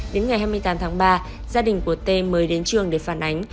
đến ngày hai mươi tám tháng ba gia đình của t mới đến trường để phản ánh